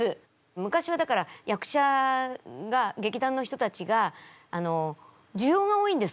昔はだから役者が劇団の人たちが需要が多いんです